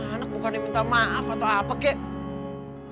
anak bukannya minta maaf atau apa kek